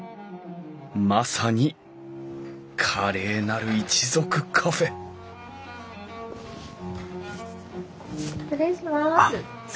まさに「華麗なる一族カフェ」失礼します。